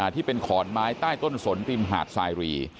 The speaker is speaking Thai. ที่เป็นขอนไม้ใต้ต้นสนริมหาดสายรี